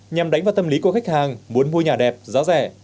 nhằm đánh vào tâm lý của khách hàng muốn mua nhà đẹp giá rẻ